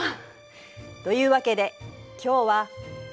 というわけで今日は海の底